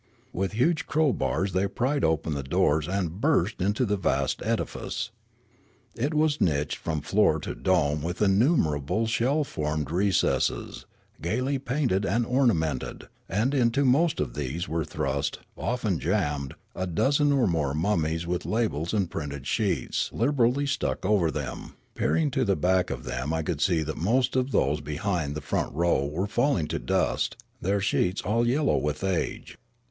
With huge crowbars they pried open the doors and burst into the vast edifice. It was niched from floor to dome with innumerable shell formed recesses, gaily painted and ornamented ; and into most of these were thrust, often jammed, a dozen or more mummies with labels and printed sheets liberally stuck over them ; peering to the back of them I could see that most of those Kloriole 279 behind the front row were falling to dust, their sheets all yellow with age.